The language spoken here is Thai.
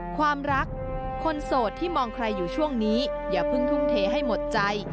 ความรักคนโสดที่มองใครอยู่ช่วงนี้อย่าเพิ่งทุ่มเทให้หมดใจ